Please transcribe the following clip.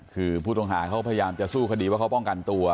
คือผู้ต้องหาเขาพยายามจะสู้คดีว่าเขาป้องกันตัว